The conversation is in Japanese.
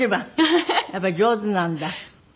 やっぱり上手なんだ。